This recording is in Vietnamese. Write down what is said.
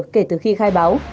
kể từ khi khai báo